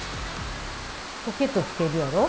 ポケットつけるやろ。